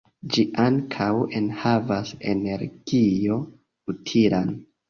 Ĝi ankaŭ enhavas energion utilan.